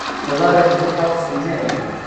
The letter from Kelsey Jane.